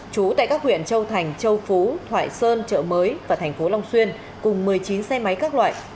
trú tại các huyện châu thành châu phú thoại sơn chợ mới và thành phố long xuyên cùng một mươi chín xe máy các loại